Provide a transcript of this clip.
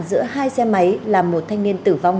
giữa hai xe máy làm một thanh niên tử vong